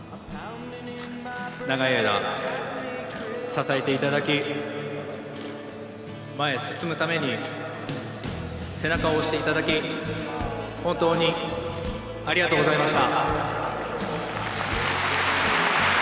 長い間、支えていただき、前へ進むために背中を押していただき、本当にありがとうございました。